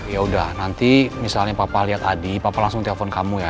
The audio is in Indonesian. yaudah nanti misalnya papa liat adi papa langsung telepon kamu ya